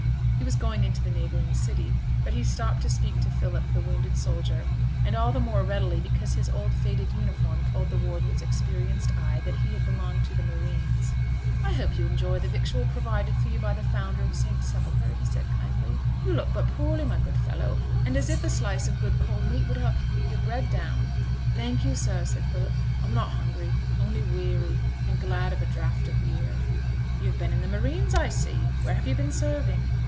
He was going into the neighbouring city, but he stopped to speak to Philip, the wounded soldier; and all the more readily because his old faded uniform told the warden's experienced eye that he had belonged to the Marines. 'I hope you enjoy the victual provided for you by the founder of St Sepulchre,' said he, kindly. 'You look but poorly, my good fellow, and as if a slice of good cold meat would help your bread down.' 'Thank you, sir!' said Philip. 'I'm not hungry, only weary, and glad of a draught of beer.' 'You've been in the Marines, I see. Where have you been serving?'